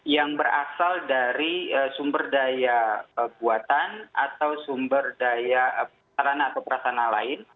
yang berasal dari sumber daya buatan atau sumber daya sarana atau perasana lain